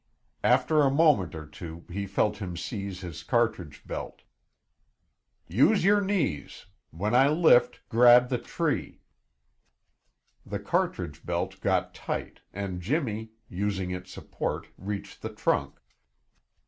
After a moment or two he felt him seize his cartridge belt. "Use your knees. When I lift grab the tree." The cartridge belt got tight and Jimmy, using its support, reached the trunk.